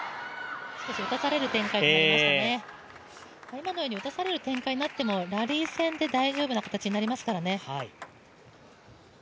今のように打たされる展開になっても、ラリー戦で大丈夫な形になりますからね。